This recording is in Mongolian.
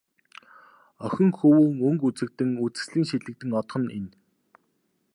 Охин хөвүүн өнгө үзэгдэн, үзэсгэлэн шилэгдэн одох нь энэ.